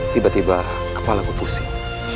tiba tiba kepala ku pusing